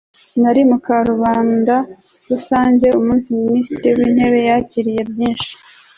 nari mu karubanda rusange umunsi minisitiri w'intebe yakiriye byinshi